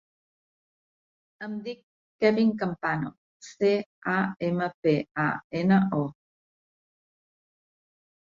Em dic Kevin Campano: ce, a, ema, pe, a, ena, o.